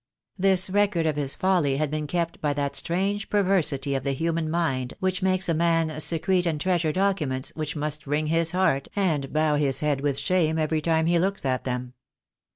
This record of his folly had been kept by that strange perversity of the human mind which makes a man secrete and treasure documents which must wring his heart and bow his head with shame every *3* I96 THE DAY WILL COME. time he looks at them.